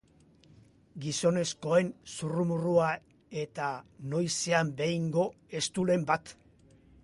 Gizonezkoen zurrumurrua eta noizean behingo eztulen bat.